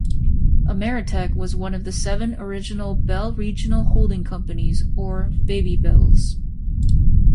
Ameritech was one of the seven original Bell Regional Holding Companies, or "Baby Bells".